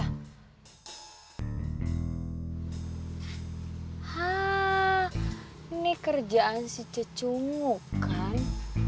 hah ini kerjaan si cucumu kan